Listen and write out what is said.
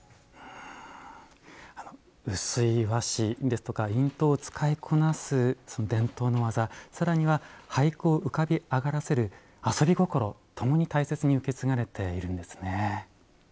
薄い和紙ですとか印刀を使いこなす伝統の技更には俳句を浮かび上がらせる遊び心ともに大切に受け継がれているんですね。